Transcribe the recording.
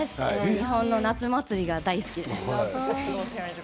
日本の夏祭りが大好きです。